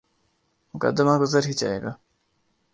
مقدمہ گزر ہی جائے گا۔